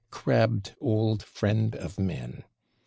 Crabbed old Friend of Men!